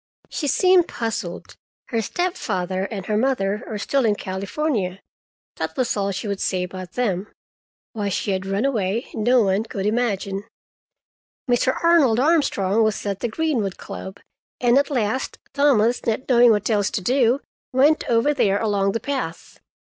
She seemed puzzled. Her stepfather and her mother were still in California—that was all she would say about them. Why she had run away no one could imagine. Mr. Arnold Armstrong was at the Greenwood Club, and at last Thomas, not knowing what else to do, went over there along the path.